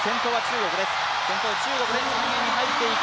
先頭、中国で３泳に入っていく。